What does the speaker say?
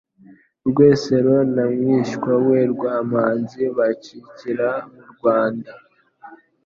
Rwesero na mwishywa we Rwamanzi bacikira mu Rwanda.